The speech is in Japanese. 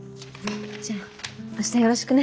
じゃあ明日よろしくね。